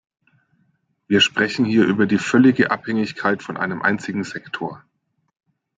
Wir sprechen hier über die völlige Abhängigkeit von einem einzigen Sektor.